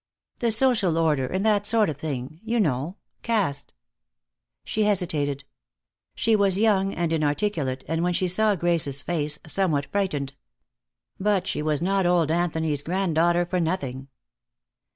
"The social order, and that sort of thing. You know. Caste." She hesitated. She was young and inarticulate, and when she saw Grace's face, somewhat frightened. But she was not old Anthony's granddaughter for nothing.